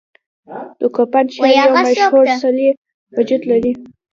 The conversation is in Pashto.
د کوپان ښار یو مشهور څلی وجود لري.